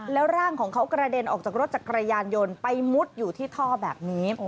แล้วร่างของเขากระเด็นออกจากรถจักรยานยนต์ไปมุดอยู่ที่ท่อแบบนี้